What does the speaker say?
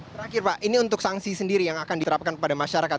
terakhir pak ini untuk sanksi sendiri yang akan diterapkan kepada masyarakat